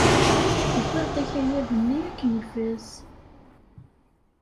Wwiɣ-d akayad-nni akken ifaz.